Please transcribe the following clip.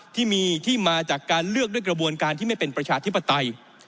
ที่มีที่มาจากการเลือกด้วยกระบวนการที่ไม่เป็นประชาธิปไตย